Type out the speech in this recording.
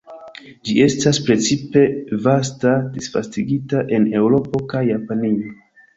Ĝi estas precipe vasta disvastigita en Eŭropo kaj Japanio.